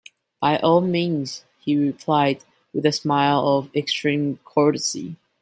"By all means," he replied, with a smile of extreme courtesy.